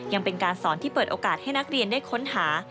ยังเป็นการสอนที่เปิดโอกาสให้นักเรียนได้ค้นหา